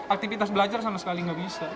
aktifitas belajar sama sekali gak bisa